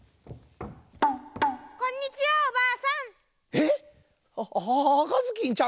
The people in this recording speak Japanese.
こんにちはおばあさん。